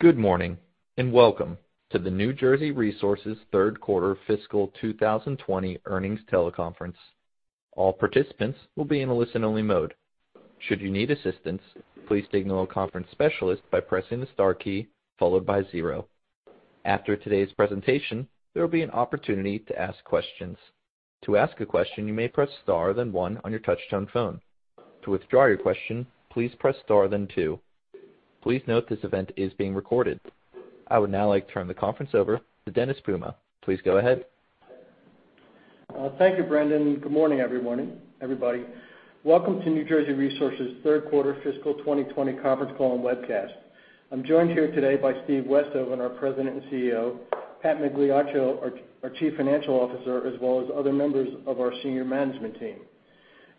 Good morning, welcome to the New Jersey Resources third quarter fiscal 2020 earnings teleconference. All participants will be in a listen-only mode. Should you need assistance, please signal a conference specialist by pressing the star key followed by zero. After today's presentation, there will be an opportunity to ask questions. To ask a question, you may press star, then one on your touch-tone phone. To withdraw your question, please press star, then two. Please note this event is being recorded. I would now like to turn the conference over to Dennis Puma. Please go ahead. Thank you, Brandon. Good morning, everybody. Welcome to New Jersey Resources third quarter fiscal 2020 conference call and webcast. I'm joined here today by Steve Westhoven, our President and CEO, Pat Migliaccio, our Chief Financial Officer, as well as other members of our senior management team.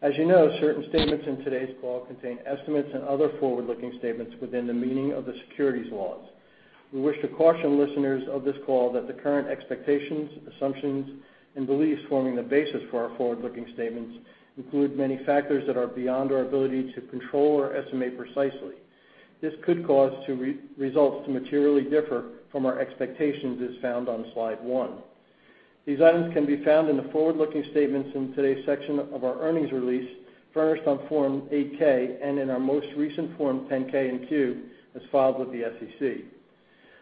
As you know, certain statements in today's call contain estimates and other forward-looking statements within the meaning of the securities laws. We wish to caution listeners of this call that the current expectations, assumptions, and beliefs forming the basis for our forward-looking statements include many factors that are beyond our ability to control or estimate precisely. This could cause results to materially differ from our expectations, as found on slide 1. These items can be found in the forward-looking statements in today's section of our earnings release, furnished on Form 8-K, and in our most recent Form 10-K and Q, as filed with the SEC.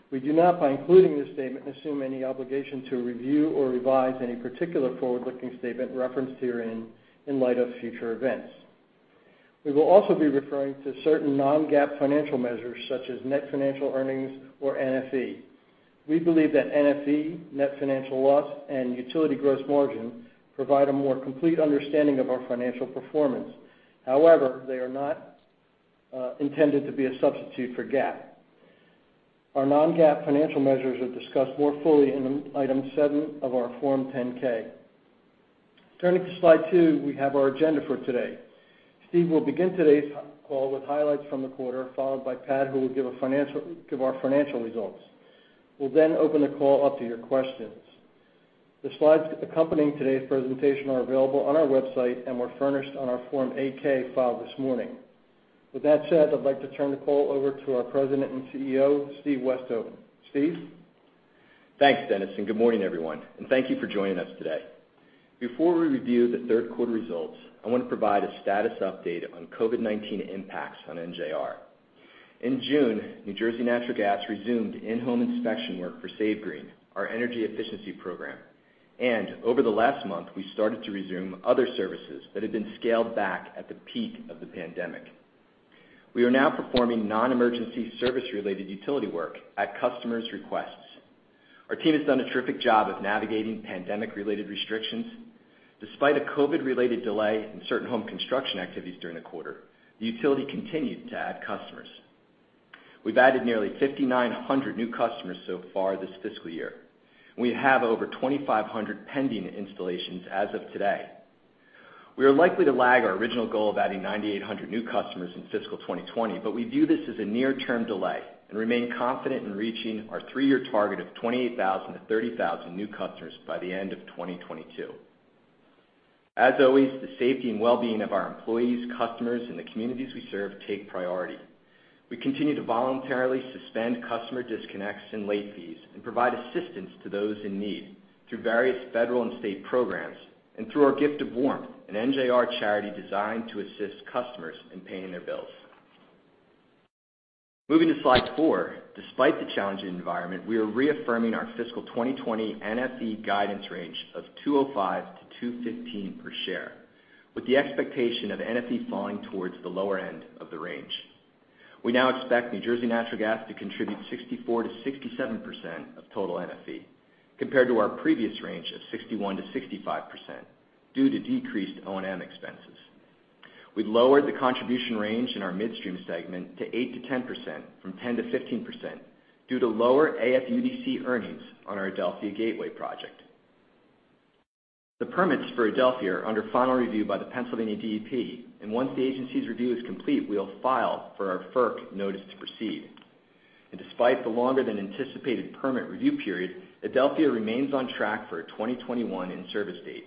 We do not, by including this statement, assume any obligation to review or revise any particular forward-looking statement referenced herein in light of future events. We will also be referring to certain non-GAAP financial measures such as net financial earnings or NFE. We believe that NFE, net financial loss, and utility gross margin provide a more complete understanding of our financial performance. However, they are not intended to be a substitute for GAAP. Our non-GAAP financial measures are discussed more fully in item 7 of our Form 10-K. Turning to slide 2, we have our agenda for today. Steve will begin today's call with highlights from the quarter, followed by Pat, who will give our financial results. We'll then open the call up to your questions. The slides accompanying today's presentation are available on our website and were furnished on our Form 8-K filed this morning. With that said, I'd like to turn the call over to our President and CEO, Steve Westhoven. Steve? Thanks, Dennis. Good morning, everyone, and thank you for joining us today. Before we review the third quarter results, I want to provide a status update on COVID-19 impacts on NJR. In June, New Jersey Natural Gas resumed in-home inspection work for SAVEGREEN, our energy efficiency program. Over the last month, we started to resume other services that had been scaled back at the peak of the pandemic. We are now performing non-emergency service-related utility work at customers' requests. Our team has done a terrific job of navigating pandemic-related restrictions. Despite a COVID-related delay in certain home construction activities during the quarter, the utility continued to add customers. We've added nearly 5,900 new customers so far this fiscal year. We have over 2,500 pending installations as of today. We are likely to lag our original goal of adding 9,800 new customers in fiscal 2020, but we view this as a near-term delay and remain confident in reaching our three-year target of 28,000 to 30,000 new customers by the end of 2022. As always, the safety and well-being of our employees, customers, and the communities we serve take priority. We continue to voluntarily suspend customer disconnects and late fees and provide assistance to those in need through various federal and state programs and through our Gift of Warmth, an NJR charity designed to assist customers in paying their bills. Moving to slide 4. Despite the challenging environment, we are reaffirming our fiscal 2020 NFE guidance range of $2.05-$2.15 per share, with the expectation of NFE falling towards the lower end of the range. We now expect New Jersey Natural Gas to contribute 64%-67% of total NFE, compared to our previous range of 61%-65%, due to decreased O&M expenses. We've lowered the contribution range in our midstream segment to 8%-10%, from 10%-15%, due to lower AFUDC earnings on our Adelphia Gateway project. The permits for Adelphia are under final review by the Pennsylvania DEP. Once the agency's review is complete, we will file for our FERC notice to proceed. Despite the longer than anticipated permit review period, Adelphia remains on track for a 2021 in-service date.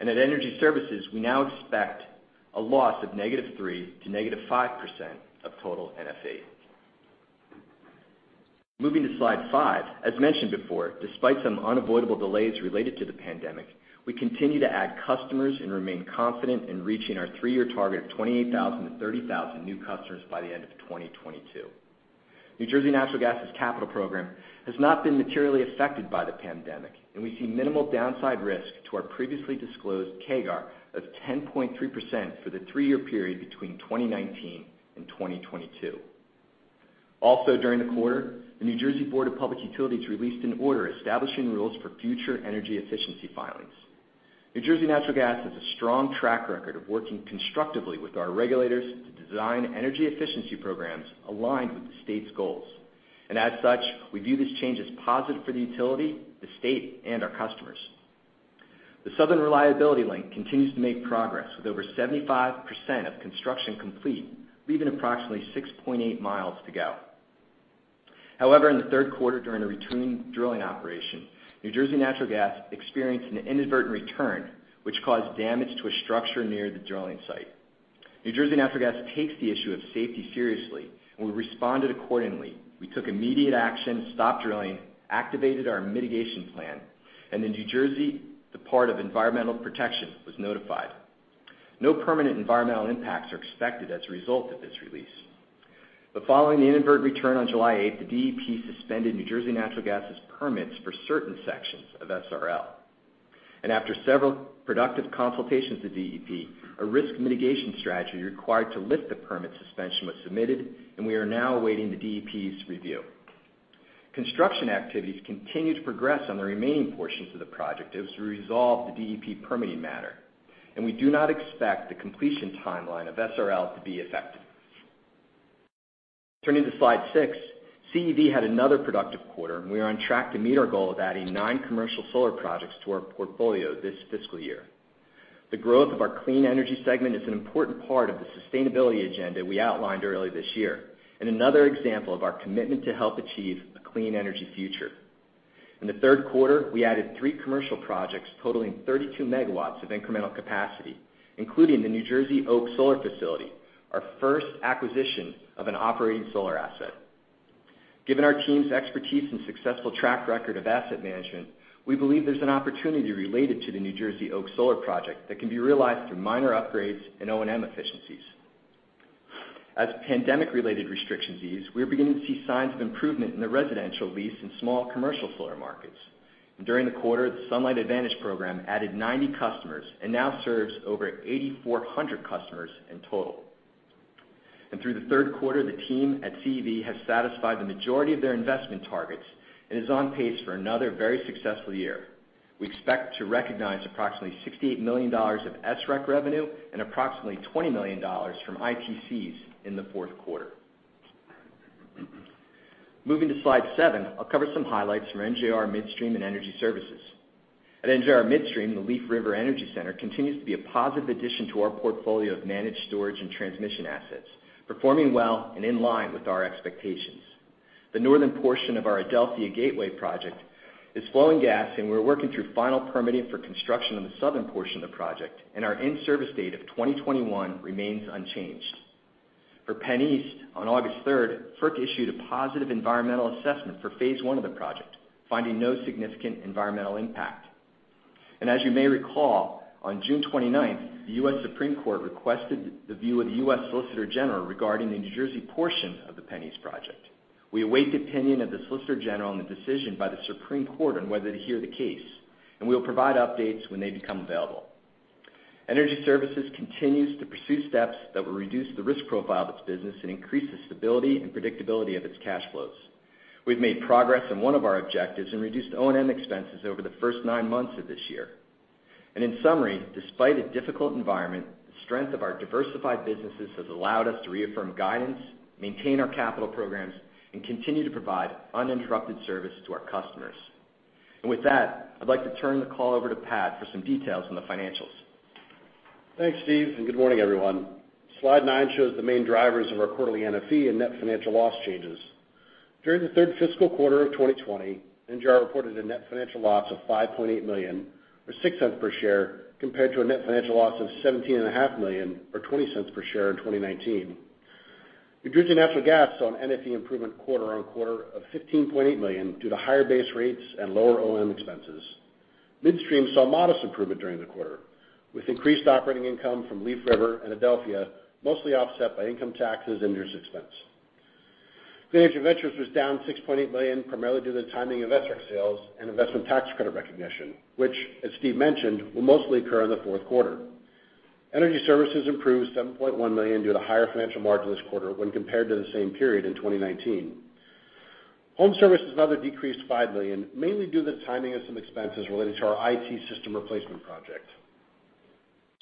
At Energy Services, we now expect a loss of -3% to -5% of total NFE. Moving to slide 5. As mentioned before, despite some unavoidable delays related to the pandemic, we continue to add customers and remain confident in reaching our three-year target of 28,000-30,000 new customers by the end of 2022. New Jersey Natural Gas' capital program has not been materially affected by the pandemic, and we see minimal downside risk to our previously disclosed CAGR of 10.3% for the three-year period between 2019 and 2022. Also during the quarter, the New Jersey Board of Public Utilities released an order establishing rules for future energy efficiency filings. New Jersey Natural Gas has a strong track record of working constructively with our regulators to design energy efficiency programs aligned with the state's goals. As such, we view this change as positive for the utility, the state, and our customers. The Southern Reliability Link continues to make progress with over 75% of construction complete, leaving approximately 6.8 miles to go. However, in the third quarter, during a routine drilling operation, New Jersey Natural Gas experienced an inadvertent return, which caused damage to a structure near the drilling site. New Jersey Natural Gas takes the issue of safety seriously, and we responded accordingly. We took immediate action, stopped drilling, activated our mitigation plan, and in New Jersey, the Department of Environmental Protection was notified. No permanent environmental impacts are expected as a result of this release. Following the inadvertent return on July 8th, the DEP suspended New Jersey Natural Gas's permits for certain sections of SRL. After several productive consultations with DEP, a risk mitigation strategy required to lift the permit suspension was submitted, and we are now awaiting the DEP's review. Construction activities continue to progress on the remaining portions of the project as we resolve the DEP permitting matter. We do not expect the completion timeline of SRL to be affected. Turning to slide 6, CEV had another productive quarter. We are on track to meet our goal of adding nine commercial solar projects to our portfolio this fiscal year. The growth of our clean energy segment is an important part of the sustainability agenda we outlined earlier this year. Another example of our commitment to help achieve a clean energy future. In the third quarter, we added three commercial projects totaling 32 megawatts of incremental capacity, including the New Jersey Oaks Solar facility, our first acquisition of an operating solar asset. Given our team's expertise and successful track record of asset management, we believe there's an opportunity related to the New Jersey Oaks Solar project that can be realized through minor upgrades and O&M efficiencies. As pandemic-related restrictions ease, we are beginning to see signs of improvement in the residential lease and small commercial solar markets. During the quarter, The Sunlight Advantage program added 90 customers and now serves over 8,400 customers in total. Through the third quarter, the team at CEV has satisfied the majority of their investment targets and is on pace for another very successful year. We expect to recognize approximately $68 million of SREC revenue and approximately $20 million from ITCs in the fourth quarter. Moving to slide 7, I'll cover some highlights from NJR Midstream and Energy Services. At NJR Midstream, the Leaf River Energy Center continues to be a positive addition to our portfolio of managed storage and transmission assets, performing well and in line with our expectations. The northern portion of our Adelphia Gateway project is flowing gas. We're working through final permitting for construction on the southern portion of the project. Our in-service date of 2021 remains unchanged. For PennEast, on August 3rd, FERC issued a positive environmental assessment for phase 1 of the project, finding no significant environmental impact. As you may recall, on June 29th, the U.S. Supreme Court requested the view of the U.S. Solicitor General regarding the New Jersey portion of the PennEast project. We await the opinion of the Solicitor General and the decision by the Supreme Court on whether to hear the case. We will provide updates when they become available. Energy Services continues to pursue steps that will reduce the risk profile of its business and increase the stability and predictability of its cash flows. We've made progress on one of our objectives and reduced O&M expenses over the first nine months of this year. In summary, despite a difficult environment, the strength of our diversified businesses has allowed us to reaffirm guidance, maintain our capital programs, and continue to provide uninterrupted service to our customers. With that, I'd like to turn the call over to Pat for some details on the financials. Thanks, Steve, and good morning, everyone. Slide 9 shows the main drivers of our quarterly NFE and net financial loss changes. During the third fiscal quarter of 2020, NJR reported a net financial loss of $5.8 million, or $0.06 per share, compared to a net financial loss of $17.5 million, or $0.20 per share in 2019. New Jersey Natural Gas saw an NFE improvement quarter-on-quarter of $15.8 million due to higher base rates and lower O&M expenses. Midstream saw modest improvement during the quarter, with increased operating income from Leaf River and Adelphia, mostly offset by income taxes and interest expense. Clean Energy Ventures was down $6.8 million, primarily due to the timing of SREC sales and investment tax credit recognition, which, as Steve mentioned, will mostly occur in the fourth quarter. Energy Services improved $7.1 million due to higher financial margin this quarter when compared to the same period in 2019. Home Services decreased $5 million, mainly due to the timing of some expenses related to our IT system replacement project.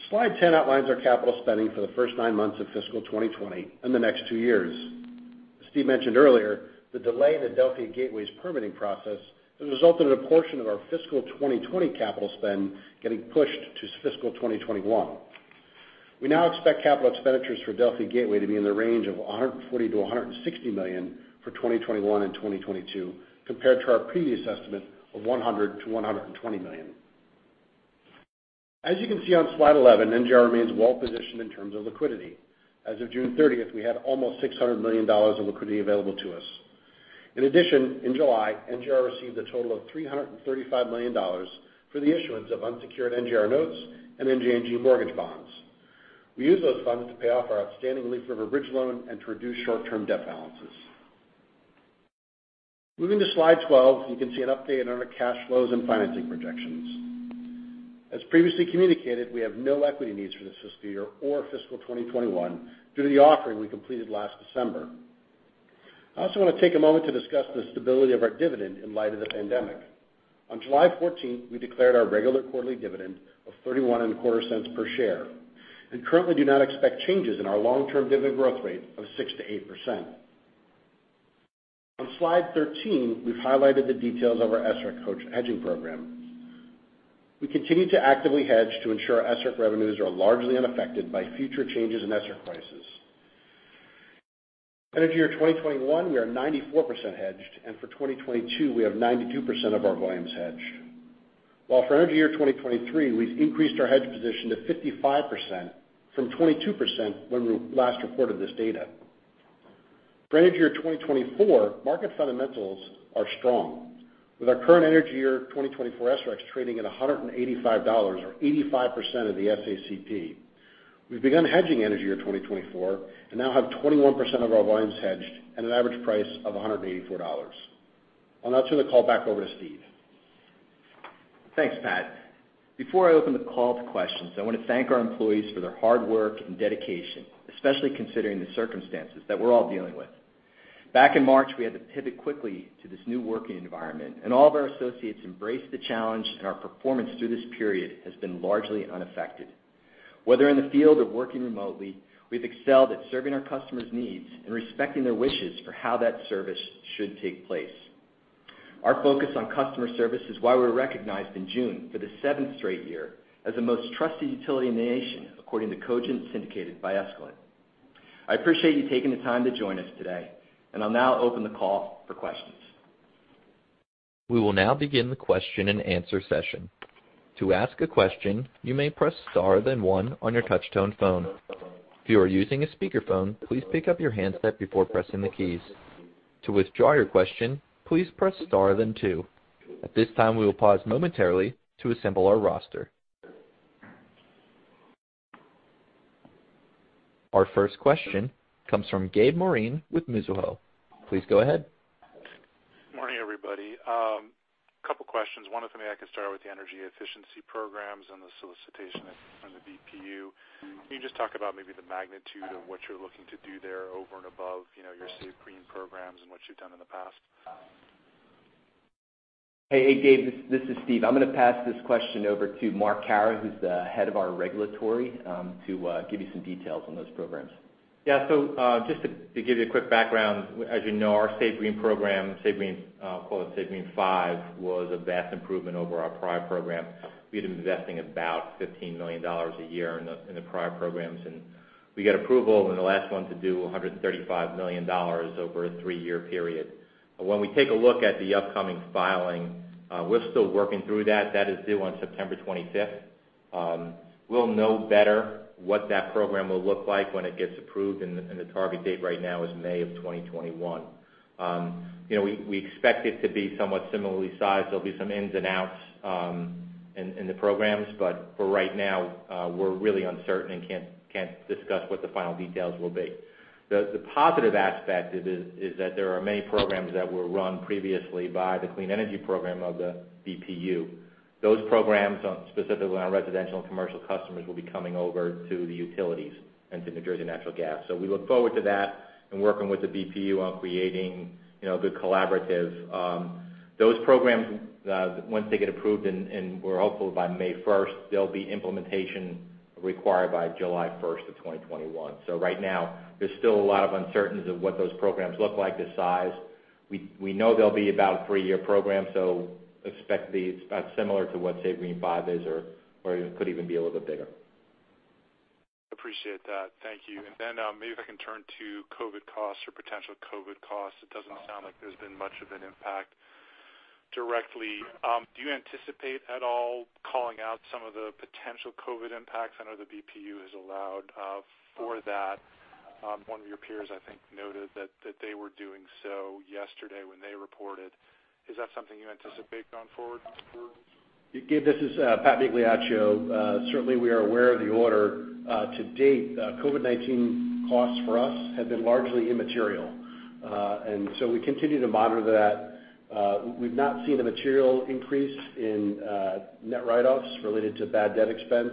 Slide 10 outlines our capital spending for the first nine months of fiscal 2020 and the next two years. As Steve mentioned earlier, the delay in Adelphia Gateway's permitting process has resulted in a portion of our fiscal 2020 capital spend getting pushed to fiscal 2021. We now expect capital expenditures for Adelphia Gateway to be in the range of $140 million-$160 million for 2021 and 2022, compared to our previous estimate of $100 million-$120 million. As you can see on slide 11, NJR remains well-positioned in terms of liquidity. As of June 30th, we had almost $600 million in liquidity available to us. In addition, in July, NJR received a total of $335 million for the issuance of unsecured NJR notes and NJNG mortgage bonds. We used those funds to pay off our outstanding Leaf River bridge loan and to reduce short-term debt balances. Moving to slide 12, you can see an update on our cash flows and financing projections. As previously communicated, we have no equity needs for this fiscal year or fiscal 2021 due to the offering we completed last December. I also want to take a moment to discuss the stability of our dividend in light of the pandemic. On July 14th, we declared our regular quarterly dividend of $31.25 per share and currently do not expect changes in our long-term dividend growth rate of 6% to 8%. On slide 13, we've highlighted the details of our SREC hedging program. We continue to actively hedge to ensure SREC revenues are largely unaffected by future changes in SREC prices. Energy year 2021, we are 94% hedged, and for 2022, we have 92% of our volumes hedged. For energy year 2023, we've increased our hedge position to 55% from 22% when we last reported this data. For energy year 2024, market fundamentals are strong. With our current energy year 2024 SRECs trading at $185 or 85% of the SACP. We've begun hedging energy year 2024 and now have 21% of our volumes hedged at an average price of $184. I'll now turn the call back over to Steve. Thanks, Pat. Before I open the call to questions, I want to thank our employees for their hard work and dedication, especially considering the circumstances that we're all dealing with. Back in March, we had to pivot quickly to this new working environment, and all of our associates embraced the challenge, and our performance through this period has been largely unaffected. Whether in the field or working remotely, we've excelled at serving our customers' needs and respecting their wishes for how that service should take place. Our focus on customer service is why we were recognized in June for the seventh straight year as the most trusted utility in the nation, according to Cogent Syndicated by Escalent. I appreciate you taking the time to join us today, and I'll now open the call for questions. We will now begin the question and answer session. To ask a question, you may press star then one on your touch-tone phone. If you are using a speakerphone, please pick up your handset before pressing the keys. To withdraw your question, please press star then two. At this time, we will pause momentarily to assemble our roster. Our first question comes from Gabe Moreen with Mizuho. Please go ahead. Morning, everybody. Couple questions. One, if maybe I could start with the energy efficiency programs and the solicitation on the BPU. Can you just talk about maybe the magnitude of what you're looking to do there over and above your SAVEGREEN programs and what you've done in the past? Hey, Gabe, this is Steve. I'm going to pass this question over to Mark Carra, who's the head of our regulatory, to give you some details on those programs. Just to give you a quick background, as you know, our SAVEGREEN program, call it SAVEGREEN 5, was a vast improvement over our prior program. We'd been investing about $15 million a year in the prior programs, and we got approval in the last one to do $135 million over a 3-year period. When we take a look at the upcoming filing, we're still working through that. That is due on September 25th. We'll know better what that program will look like when it gets approved, and the target date right now is May of 2021. We expect it to be somewhat similarly sized. There'll be some ins and outs in the programs, but for right now, we're really uncertain and can't discuss what the final details will be. The positive aspect is that there are many programs that were run previously by the clean energy program of the BPU. Those programs, specifically on our residential and commercial customers, will be coming over to the utilities and to New Jersey Natural Gas. We look forward to that and working with the BPU on creating good collaborative. Those programs, once they get approved, and we're hopeful by May 1st, there'll be implementation required by July 1st of 2021. Right now, there's still a lot of uncertainties of what those programs look like, the size. We know they'll be about a three-year program, so expect these similar to what SAVEGREEN 5 is or could even be a little bit bigger. Appreciate that. Thank you. Maybe if I can turn to COVID costs or potential COVID costs. It doesn't sound like there's been much of an impact directly. Do you anticipate at all calling out some of the potential COVID impacts? I know the BPU has allowed for that. One of your peers, I think, noted that they were doing so yesterday when they reported. Is that something you anticipate going forward? Gabe, this is Patrick Migliaccio. Certainly, we are aware of the order. To date, COVID-19 costs for us have been largely immaterial. We continue to monitor that. We've not seen a material increase in net write-offs related to bad debt expense.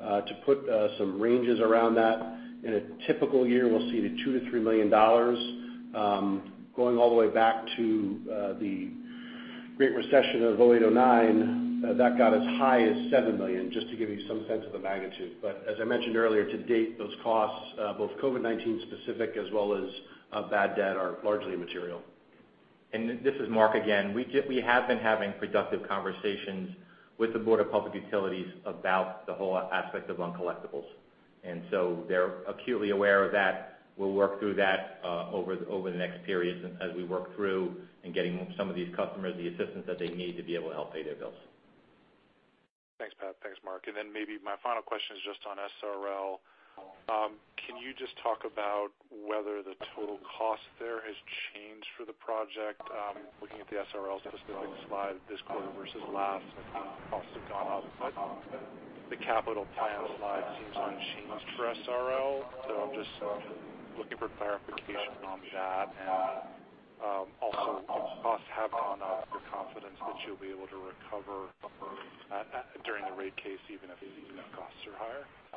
To put some ranges around that, in a typical year, we'll see the $2 million-$3 million. Going all the way back to the great recession of 2008, 2009, that got as high as $7 million, just to give you some sense of the magnitude. As I mentioned earlier, to date, those costs, both COVID-19 specific as well as bad debt, are largely immaterial. This is Mark again. We have been having productive conversations with the Board of Public Utilities about the whole aspect of uncollectibles. They're acutely aware of that. We'll work through that over the next period as we work through in getting some of these customers the assistance that they need to be able to help pay their bills. Thanks, Pat. Thanks, Mark. Maybe my final question is just on SRL. Can you just talk about whether the total cost there has changed for the project? Looking at the SRL specific slide this quarter versus last, I think costs have gone up, but the capital plan slide seems unchanged for SRL. I'm just looking for clarification on that. If costs have gone up, your confidence that you'll be able to recover during the rate case, even if costs are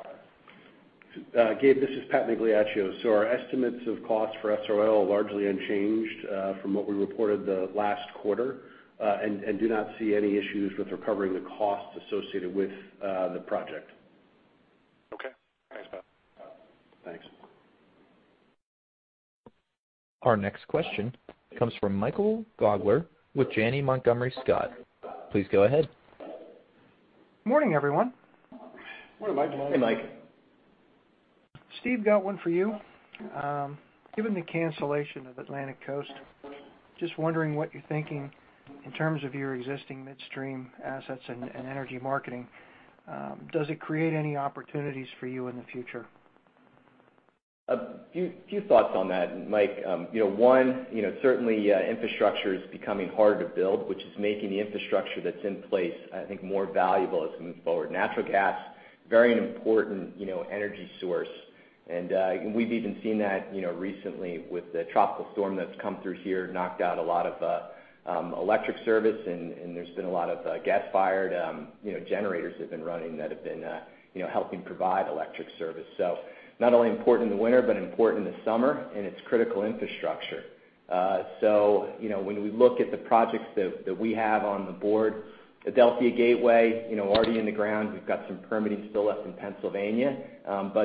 higher. Gabe, this is Patrick Migliaccio. Our estimates of cost for SRL are largely unchanged from what we reported the last quarter, and do not see any issues with recovering the costs associated with the project. Thanks. Our next question comes from Michael Gaugler with Janney Montgomery Scott. Please go ahead. Morning, everyone. Morning, Mike. Hey, Mike. Steve, got one for you. Given the cancellation of Atlantic Coast, just wondering what you're thinking in terms of your existing midstream assets and energy marketing. Does it create any opportunities for you in the future? A few thoughts on that, Mike. One, certainly, infrastructure is becoming harder to build, which is making the infrastructure that's in place, I think, more valuable as we move forward. Natural gas, very important energy source. We've even seen that recently with the tropical storm that's come through here, knocked out a lot of electric service, and there's been a lot of gas-fired generators have been running that have been helping provide electric service. Not only important in the winter, but important in the summer, and it's critical infrastructure. When we look at the projects that we have on the board, Adelphia Gateway, already in the ground. We've got some permitting still left in Pennsylvania.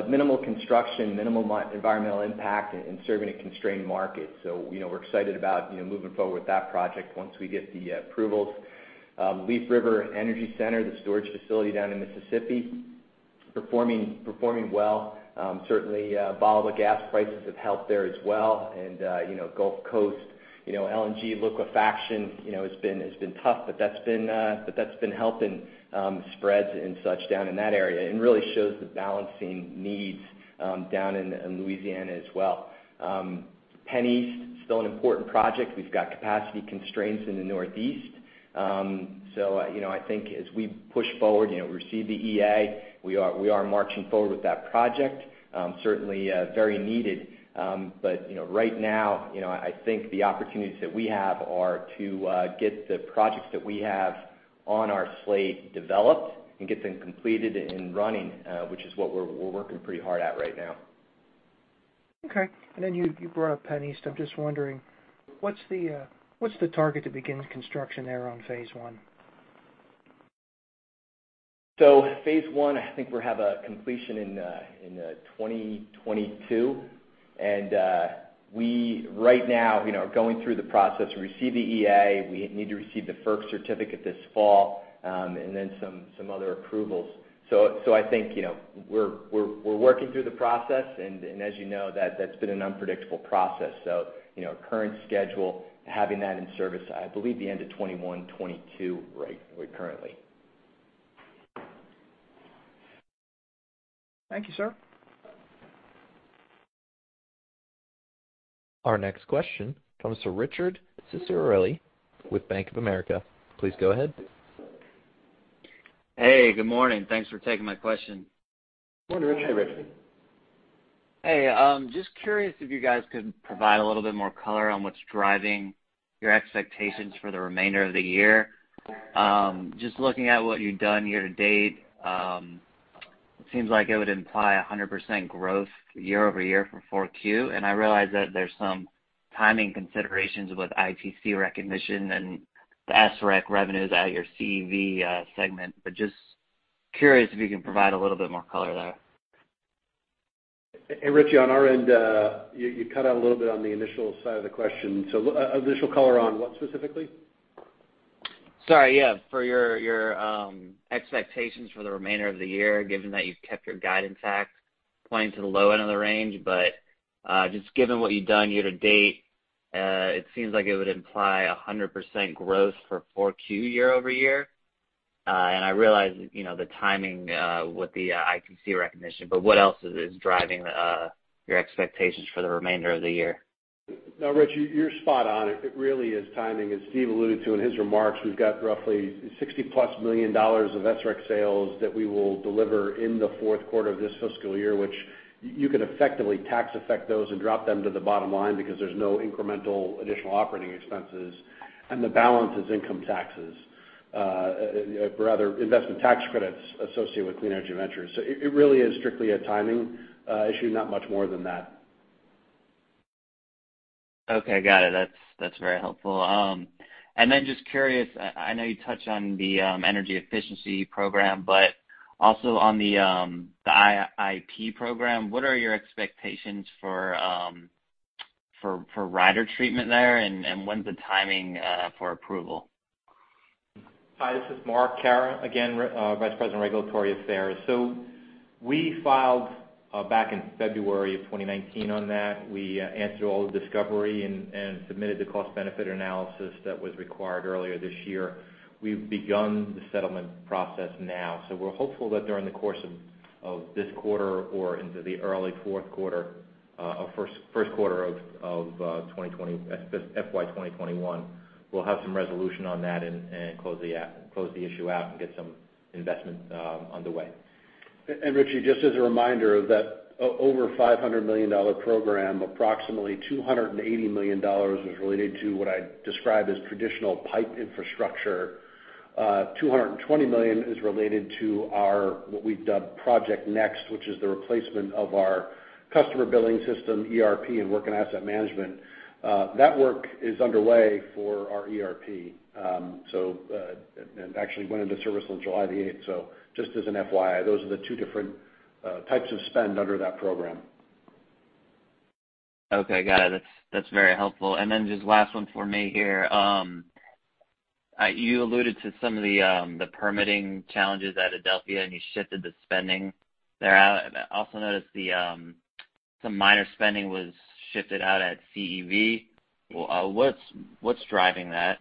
Minimal construction, minimal environmental impact, and serving a constrained market. We're excited about moving forward with that project once we get the approvals. Leaf River Energy Center, the storage facility down in Mississippi, performing well. Certainly, volatile gas prices have helped there as well. Gulf Coast LNG liquefaction has been tough, but that's been helping spreads and such down in that area, and really shows the balancing needs down in Louisiana as well. PennEast, still an important project. We've got capacity constraints in the Northeast. I think as we push forward, receive the EA, we are marching forward with that project. Certainly very needed. Right now, I think the opportunities that we have are to get the projects that we have on our slate developed and get them completed and running, which is what we're working pretty hard at right now. Okay. You brought up PennEast. I'm just wondering, what's the target to begin construction there on phase one? Phase 1, I think we'll have a completion in 2022. We, right now, are going through the process. We received the EA. We need to receive the FERC certificate this fall, and then some other approvals. I think we're working through the process, and as you know, that's been an unpredictable process. Current schedule, having that in service, I believe the end of 2021, 2022, currently. Thank you, sir. Our next question comes from Richard Cicciarelli with Bank of America. Please go ahead. Hey, good morning. Thanks for taking my question. Morning, Richard. Hey, Richard. Hey. Just curious if you guys could provide a little bit more color on what's driving your expectations for the remainder of the year. Just looking at what you've done year-to-date, it seems like it would imply 100% growth year-over-year for Q4. I realize that there's some timing considerations with ITC recognition and the SREC revenues out of your CEV segment. Just curious if you can provide a little bit more color there. Hey, Richard, on our end, you cut out a little bit on the initial side of the question. Initial color on what specifically? Sorry, yeah. For your expectations for the remainder of the year, given that you've kept your guidance intact playing to the low end of the range. Just given what you've done year-to-date, it seems like it would imply 100% growth for Q4 year-over-year. I realize the timing with the ITC recognition, but what else is driving your expectations for the remainder of the year? No, Richard, you're spot on. It really is timing. As Steve alluded to in his remarks, we've got roughly $60-plus million of SREC sales that we will deliver in the fourth quarter of this fiscal year, which you could effectively tax-affect those and drop them to the bottom line because there's no incremental additional operating expenses. The balance is income taxes, or rather investment tax credits associated with Clean Energy Ventures. It really is strictly a timing issue, not much more than that. Okay, got it. That's very helpful. Just curious, I know you touched on the energy efficiency program, but also on the IIP program, what are your expectations for rider treatment there, and when's the timing for approval? Hi, this is Mark Carra again, Vice President Regulatory Affairs. We filed back in February of 2019 on that. We answered all the discovery and submitted the cost-benefit analysis that was required earlier this year. We've begun the settlement process now. We're hopeful that during the course of this quarter or into the early first quarter of FY 2021, we'll have some resolution on that and close the issue out and get some investment underway. Richie, just as a reminder of that over $500 million program, approximately $280 million was related to what I described as traditional pipe infrastructure. $220 million is related to our what we've dubbed Project NEXT, which is the replacement of our customer billing system, ERP, and work and asset management. That work is underway for our ERP. It actually went into service on July the 8th. Just as an FYI, those are the two different types of spend under that program. Okay, got it. That's very helpful. Just last one for me here. You alluded to some of the permitting challenges at Adelphia, and you shifted the spending there. I also noticed some minor spending was shifted out at CEV. What's driving that?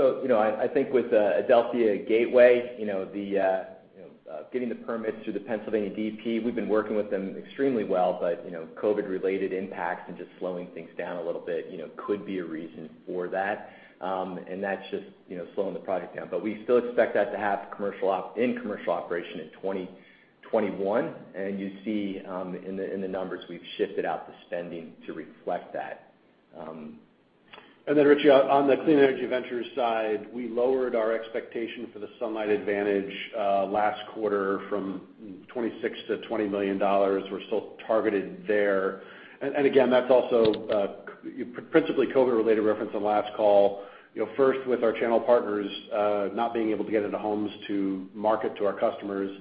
I think with Adelphia Gateway, getting the permits through the Pennsylvania DEP, we've been working with them extremely well. COVID related impacts and just slowing things down a little bit could be a reason for that. That's just slowing the project down. We still expect that to have in commercial operation in 2021. You see in the numbers, we've shifted out the spending to reflect that. Richie, on the Clean Energy Ventures side, we lowered our expectation for The Sunlight Advantage last quarter from $26 million to $20 million. We're still targeted there. Again, that's also principally COVID-19 related, referenced on last call. First, with our channel partners not being able to get into homes to market to our customers.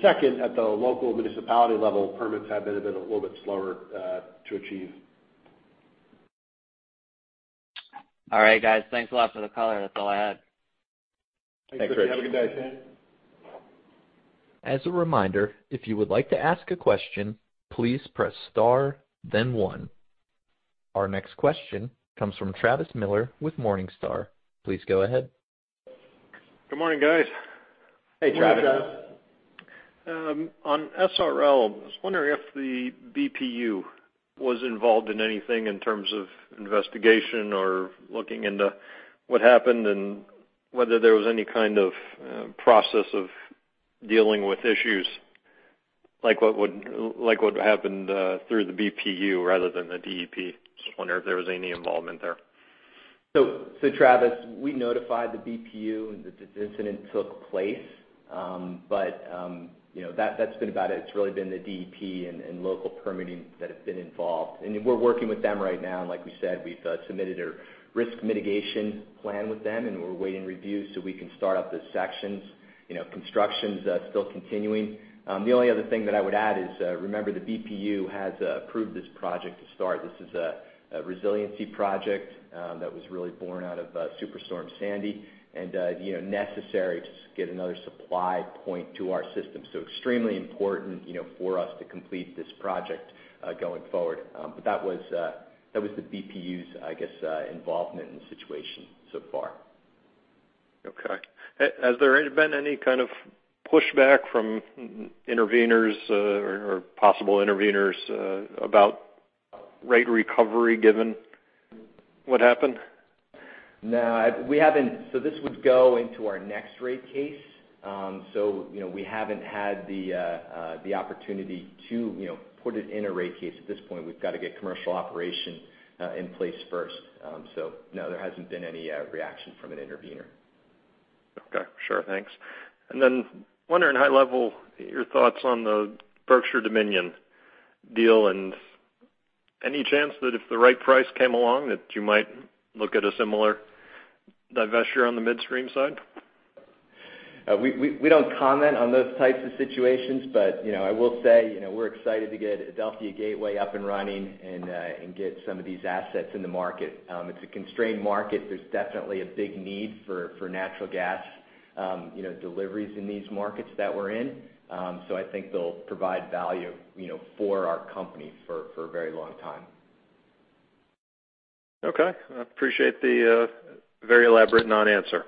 Second, at the local municipality level, permits have been a little bit slower to achieve. All right, guys, thanks a lot for the color. That's all I had. Thanks, Richard. Thanks. Have a good day. As a reminder, if you would like to ask a question, please press star, then one. Our next question comes from Travis Miller with Morningstar. Please go ahead. Good morning, guys. Hey, Travis. Good morning, Travis. On SRL, I was wondering if the BPU was involved in anything in terms of investigation or looking into what happened, and whether there was any kind of process of dealing with issues, like what would happened through the BPU rather than the DEP? I just wonder if there was any involvement there? Travis, we notified the BPU that this incident took place. That's been about it. It's really been the DEP and local permitting that have been involved, and we're working with them right now. Like we said, we've submitted a risk mitigation plan with them, and we're awaiting review so we can start up the sections. Construction's still continuing. The only other thing that I would add is, remember the BPU has approved this project to start. This is a resiliency project that was really born out of Superstorm Sandy and necessary to get another supply point to our system. Extremely important for us to complete this project going forward. That was the BPU's, I guess, involvement in the situation so far. Okay. Has there been any kind of pushback from interveners or possible interveners about rate recovery given what happened? No, we haven't. This would go into our next rate case. We haven't had the opportunity to put it in a rate case at this point. We've got to get commercial operation in place first. No, there hasn't been any reaction from an intervener. Okay, sure. Thanks. Wondering high level, your thoughts on the Berkshire Dominion deal, and any chance that if the right price came along, that you might look at a similar divestiture on the midstream side? We don't comment on those types of situations. I will say, we're excited to get Adelphia Gateway up and running and get some of these assets in the market. It's a constrained market. There's definitely a big need for natural gas deliveries in these markets that we're in. I think they'll provide value for our company for a very long time. Okay. I appreciate the very elaborate non-answer.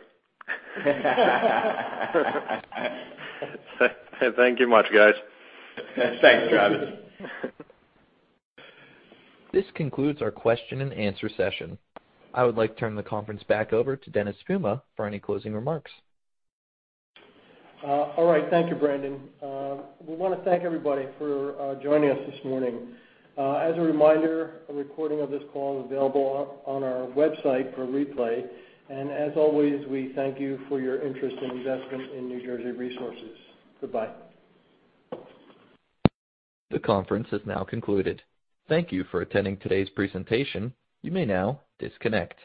Thank you much, guys. Thanks, Travis. This concludes our question and answer session. I would like to turn the conference back over to Dennis Puma for any closing remarks. All right. Thank you, Brandon. We want to thank everybody for joining us this morning. As a reminder, a recording of this call is available on our website for replay. As always, we thank you for your interest and investment in New Jersey Resources. Goodbye. The conference is now concluded. Thank you for attending today's presentation. You may now disconnect.